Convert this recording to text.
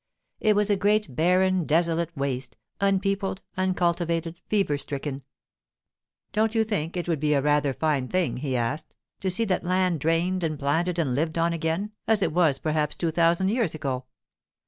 It was a great, barren, desolate waste; unpeopled, uncultivated, fever stricken. 'Don't you think it would be rather a fine thing,' he asked, 'to see that land drained and planted and lived on again as it was perhaps two thousand years ago?